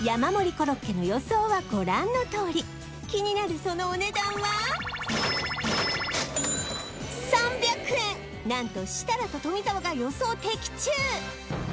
コロッケの予想はご覧のとおり気になるそのお値段は何と設楽と富澤が予想的中！